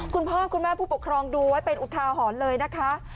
คุณพ่อคุณแม่ผู้ปกครองดูไว้เป็นอุทาหรณ์เลยนะคะ